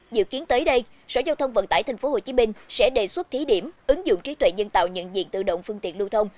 dự kiến tới đây sở giao thông vận tải tp hcm sẽ đề xuất thí điểm ứng dụng trí tuệ nhân tạo nhận diện tự động phương tiện lưu thông